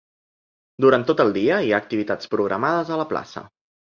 Durant tot el dia hi ha activitats programades a la plaça.